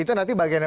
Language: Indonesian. itu nanti bagiannya